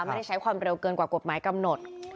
ไม่ได้ใช้ความเร็วเกินกว่ากฎหมายกำหนด